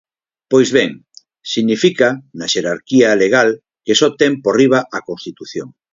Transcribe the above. Pois ben, significa na xerarquía legal que só ten por riba a Constitución.